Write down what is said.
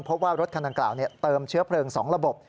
พบว่ารถคันดังกล่าวเติมเชื้อเพลิง๒ระบบ